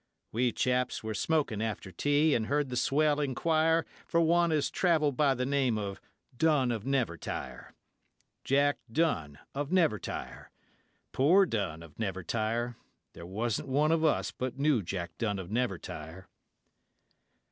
We chaps were smoking after tea, and heard the swell enquire For one as travelled by the name of 'Dunn of Nevertire'. Jack Dunn of Nevertire, Poor Dunn of Nevertire; There wasn't one of us but knew Jack Dunn of Nevertire.